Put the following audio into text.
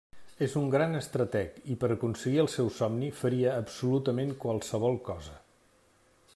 És un gran estrateg i per aconseguir el seu somni faria absolutament qualsevol cosa.